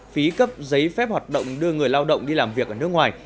phí cấp giấy phép hoạt động đưa người lao động đi làm việc ở nước ngoài